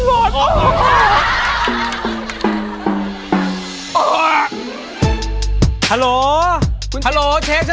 อ๋อมันคงแล้วแน่